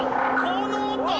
この音。